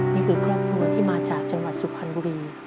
นี่คือครอบครัวที่มาจากจังหวัดสุพรรณบุรี